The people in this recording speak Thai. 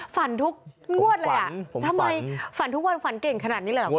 ทุกงวดเลยอ่ะทำไมฝันทุกวันฝันเก่งขนาดนี้เลยเหรอคุณ